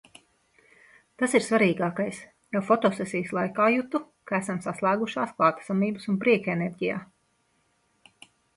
Tas ir svarīgākais. Jau fotosesijas laikā jutu, ka esam saslēgušās klātesamības un prieka enerģijā.